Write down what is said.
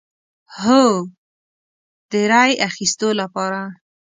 هو، د رای اخیستو لپاره